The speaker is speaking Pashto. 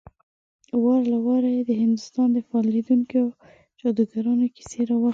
وار له واره يې د هندوستان د فال ليدونکو او جادوګرانو کيسې راواخيستې.